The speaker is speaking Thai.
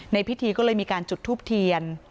ในพิธีก็เลยมีการจุดทูบเทียน